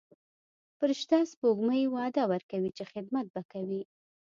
فرشته سپوږمۍ وعده ورکوي چې خدمت به کوي.